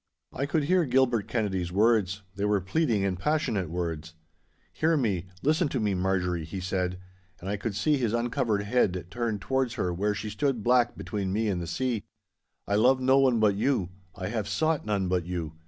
I could hear Gilbert Kennedy's words. They were pleading and passionate words. 'Hear me, listen to me, Marjorie,' he said, and I could see his uncovered head turned towards her where she stood black between me and the sea, 'I love no one but you. I have sought none but you.